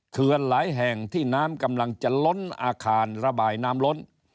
เขื่อนหลายแห่งที่น้ำกำลังจะล้นอาคารระบายน้ำล้น